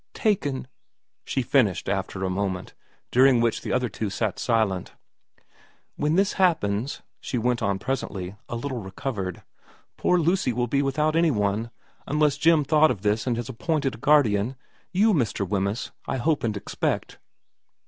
' taken,' she finished after a moment, during which the other two sat silent. 38 VERA iv * When this happens/ she went on presently, a little recovered, ' poor Lucy will be without any one, unless Jim thought of this and has appointed a guardian. You, Mr. Wemyss, I hope and expect.'